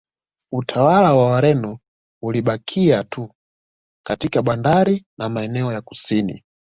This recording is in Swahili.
Utawala wa Wareno ulibakia tu katika bandari na maeneo ya kusini